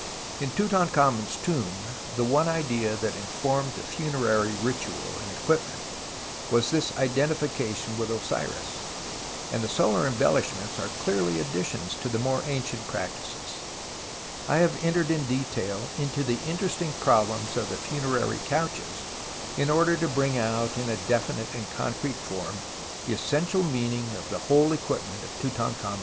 In Tutankhamen's tomb tlie one idea that informed the funerary ritual and equipment was this identification witli Osiris, and the solar embellishments are clearly additions to the more ancient practices. I Jiave entered in detail into the interesting problems of the funerary couches in order to bring out in a definite and concrete form tlie essential meaninof of the whole equipment of Tutankhamen's tomb.